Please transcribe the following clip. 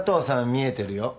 みえてるよ。